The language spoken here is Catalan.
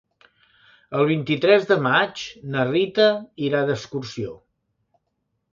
El vint-i-tres de maig na Rita irà d'excursió.